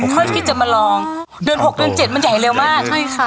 ค่อยคิดจะมาลองเดือน๖เดือน๗มันใหญ่เร็วมากใช่ค่ะ